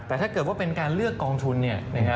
แต่ถ้าเกิดว่าเป็นการเลือกกองทุน